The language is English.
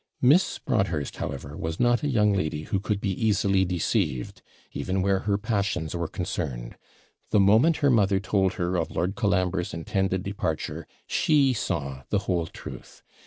Miss Broadhurst, however, was not a young lady who could be easily deceived, even where her passions were concerned. The moment her mother told her of Lord Colambre's intended departure, she saw the whole truth.